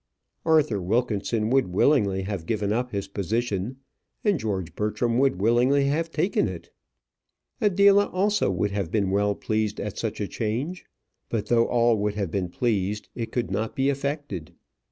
Arthur Wilkinson would willingly have given up his position, and George Bertram would willingly have taken it. Adela also would have been well pleased at such a change. But though all would have been pleased, it could not be effected.